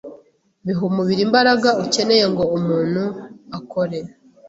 biha umubiri imbaraga ukeneye ngo umuntu akore,